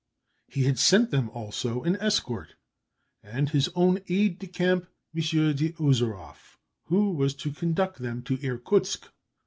He had sent them also an escort, and his own aide de camp, M. d'Ozeroff, who was to conduct them to Irkutsk.